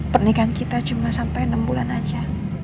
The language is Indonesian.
pernikahan kita cuma sampai enam bulan saja